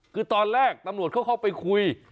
คือตอนแรกตำรวจเขาเข้าไปคุย